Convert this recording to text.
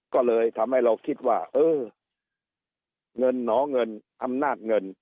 ก็เลยทำให้เราคิดว่าเออเงินหนอเงินอำนาจเงิน